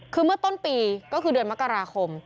คือเมื่อต้นปีก็คือเดือนมกราคม